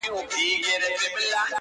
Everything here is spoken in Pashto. پلار ویله څارنوال ته نه پوهېږي,